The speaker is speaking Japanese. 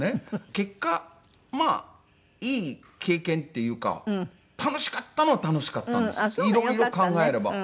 結果まあいい経験っていうか楽しかったのは楽しかったんですよいろいろ考えれば。